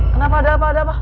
kenapa ada apa apa